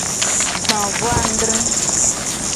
Gba vo adre.